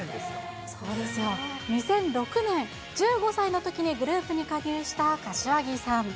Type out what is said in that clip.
２００６年、１５歳のときにグループに加入した柏木さん。